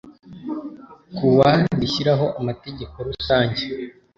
ku wa rishyiraho amategeko rusange